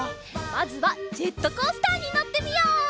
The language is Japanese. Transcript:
まずはジェットコースターにのってみよう！